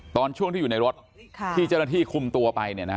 ช่วงที่อยู่ในรถที่เจ้าหน้าที่คุมตัวไป